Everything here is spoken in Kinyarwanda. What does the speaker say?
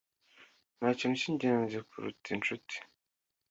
Ntakintu cyingenzi kuruta inshuti